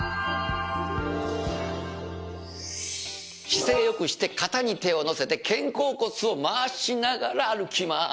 姿勢良くして肩に手を乗せて肩甲骨を回しながら歩きます。